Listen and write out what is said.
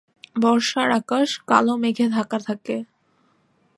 বর্ষার আকাশ কালো মেঘে ঢাকা থাকে।